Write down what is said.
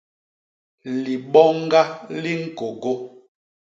Liboñga li ñkôgô.